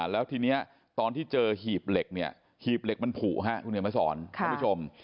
แล้วทีนี้ตอนที่เจอหีบเหล็กเนี่ยหีบเหล็กมันผูฮะทุกคนเห็นไหมสอน